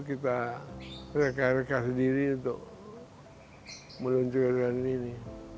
kita reka rekah sendiri untuk meluncurkan ini